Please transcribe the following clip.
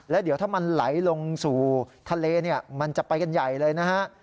แล้วเดี๋ยวถ้ามันไหลลงสู่ทะเลเนี่ยมันจะไปกันใหญ่เลยนะฮะ